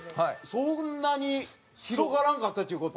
そんなに広がらんかったっちゅう事？